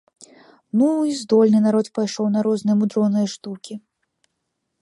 Ну, і здольны народ пайшоў на розныя мудроныя штукі!